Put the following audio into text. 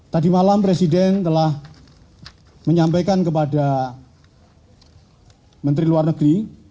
tadi malam presiden telah menyampaikan kepada menteri luar negeri